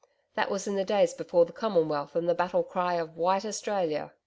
That was in the days before the Commonwealth and the battle cry of 'White Australia.'